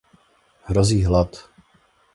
Hrozí hlad.